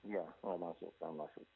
iya tidak akan masuk